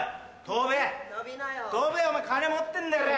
跳べお前金持ってんだろ！